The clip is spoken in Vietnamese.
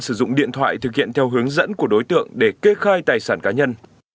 sử dụng điện thoại thực hiện theo hướng dẫn của đối tượng để kê khai tài sản cá nhân